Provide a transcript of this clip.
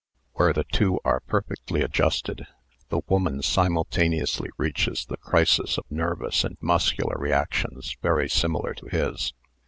Where the two are perfectly adjusted, the woman simultaneously reaches the crisis of nervous so Married Love and muscular reactions very similar to his.